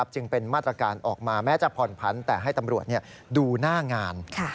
จึงเป็นมาตรการออกมาแม้จะผ่อนผันแต่ให้ตำรวจดูหน้างาน